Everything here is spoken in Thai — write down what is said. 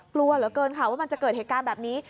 กลัวเหลือเกินค่ะว่ามันจะเกิดเหตุการณ์แบบนี้